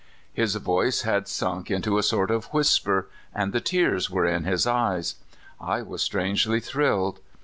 His voice had sunk into a sort of whisper, and the tears were in his eyes. I was strangely thrilled.